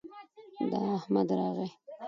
د احمد راغى